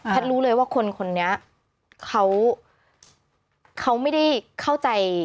แพทย์รู้เลยว่าคนนี้เขาไม่ได้เข้าใจ